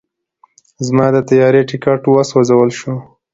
زما د طیارې ټیکټ وسوځل شو.